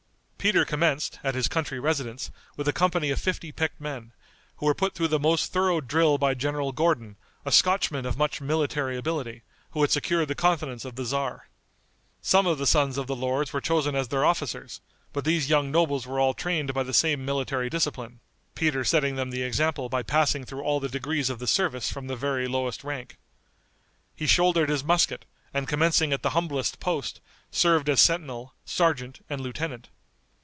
Peter commenced, at his country residence, with a company of fifty picked men, who were put through the most thorough drill by General Gordon, a Scotchman of much military ability, who had secured the confidence of the tzar. Some of the sons of the lords were chosen as their officers, but these young nobles were all trained by the same military discipline, Peter setting them the example by passing through all the degrees of the service from the very lowest rank. He shouldered his musket, and commencing at the humblest post, served as sentinel, sergeant and lieutenant.